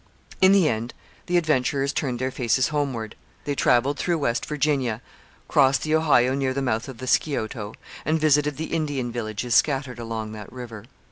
In the end the adventurers turned their faces homeward. They travelled through West Virginia, crossed the Ohio near the mouth of the Scioto, and visited the Indian villages scattered along that river.